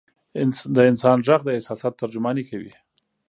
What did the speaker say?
د انسان ږغ د احساساتو ترجماني کوي.